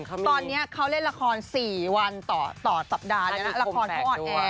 ตอนนี้เขาเล่นละคร๔วันต่อสัปดาห์แล้วนะละครเขาออนแอร์